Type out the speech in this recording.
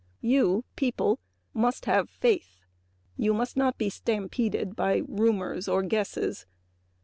You people must have faith; you must not be stampeded by rumors or guesses.